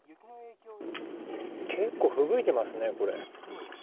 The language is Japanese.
結構、ふぶいていますね。